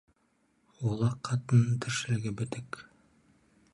Олақ қатынның тіршілігі бітік.